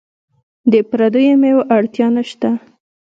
د پردیو میوو اړتیا نشته.